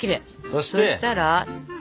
そしたら。